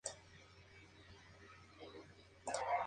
El otro fluido intravascular es la linfa.